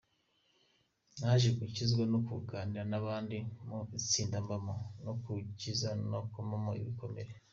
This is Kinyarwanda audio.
Naje gukizwa no kuganira n’abandi mu itsinda mbamo ryo gukiza no komora ibikomere”.